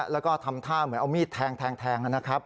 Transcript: แล้วก็ทำท่าเหมือนเอามีดแทงนะครับ